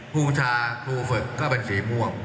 พวกชาทูเฟิร์กก็เป็นสีม่วง